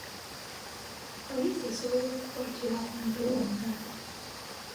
Poliisi esobola okukwatira awantu wonna.